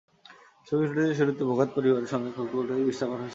ছবিটি শুটিংয়ের শুরুতেই ভোগাত পরিবারের সঙ্গে সখ্য গড়ে ওঠে মিস্টার পারফেকশনিস্টের।